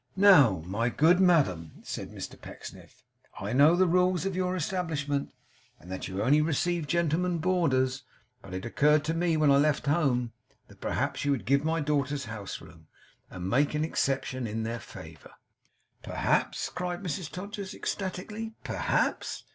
'Now, my good madam,' said Mr Pecksniff, 'I know the rules of your establishment, and that you only receive gentlemen boarders. But it occurred to me, when I left home, that perhaps you would give my daughters house room, and make an exception in their favour.' 'Perhaps?' cried Mrs Todgers ecstatically. 'Perhaps?